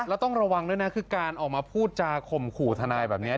แล้วต้องระวังด้วยนะคือการออกมาพูดจาข่มขู่ทนายแบบนี้